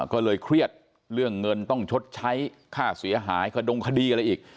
ก็เลยเครียดเรื่องเงินต้องชดใช้ค่าเสียหายขดงคดีอะไรอีก